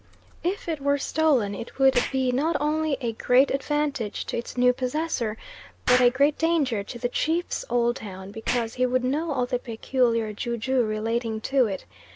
If it were stolen it would be not only a great advantage to its new possessor, but a great danger to the chief's old town; because he would know all the peculiar ju ju relating to it.